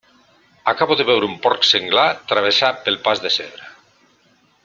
Acabo de veure un porc senglar travessar pel pas de zebra.